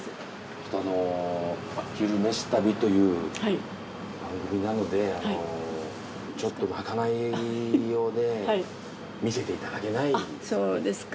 ちょっとあの「昼めし旅」という番組なのでちょっとまかないをね見せていただけないですか。